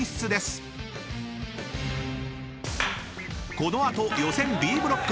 ［この後予選Ｂブロック。